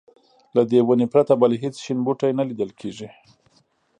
له دې ونې پرته بل هېڅ شین بوټی نه لیدل کېږي.